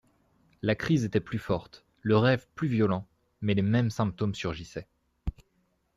La crise était plus forte, le rêve plus violent, mais les mêmes symptômes surgissaient.